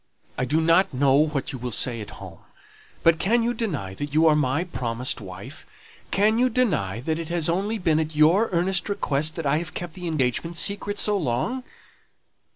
"I do not know what you will say at home; but can you deny that you are my promised wife? Can you deny that it has only been at your earnest request that I have kept the engagement secret so long?"